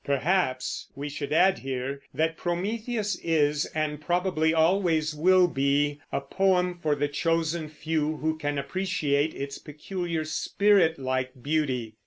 Perhaps we should add here that Prometheus is, and probably always will be, a poem for the chosen few who can appreciate its peculiar spiritlike beauty.